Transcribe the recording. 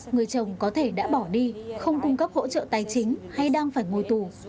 người chồng có thể đã bỏ đi không cung cấp hỗ trợ tài chính hay đang phải ngồi tù